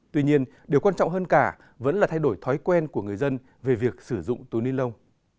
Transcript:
tuy nhiên điều quan trọng hơn cả vẫn là thay đổi thói quen của người dân về việc sử dụng túi ni lông